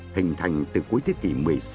hình thành từ cuối thế kỷ một mươi sáu